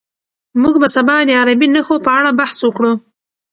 موږ به سبا د عربي نښو په اړه بحث وکړو.